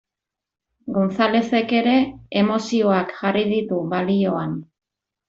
Gonzalezek ere emozioak jarri ditu balioan.